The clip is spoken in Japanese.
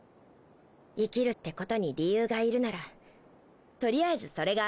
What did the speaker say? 生きるってことに理由がいるならとりあえずそれがあんたの理由